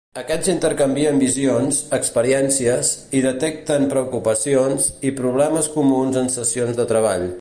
Aquests intercanvien visions, experiències, i detecten preocupacions i problemes comuns en sessions de treball.